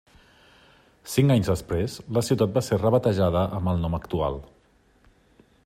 Cinc anys després, la ciutat va ser rebatejada amb el nom actual.